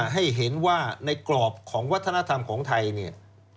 ให้เห็นว่าในกรอบของวัฒนธรรมของไทยเนี่ย